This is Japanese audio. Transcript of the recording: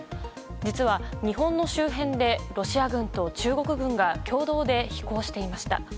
実は、日本の周辺でロシア軍と中国軍が共同で飛行していました。